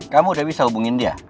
kamu udah bisa hubungin dia